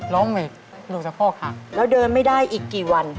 ล้มหวีดรูปจะโภคหักแล้วเดินไม่ได้อีกกี่วัน